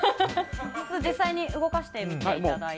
実際に動かしてみていただいて。